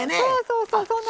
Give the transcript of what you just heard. そうそうそう。